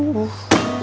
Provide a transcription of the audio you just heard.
aras ga takut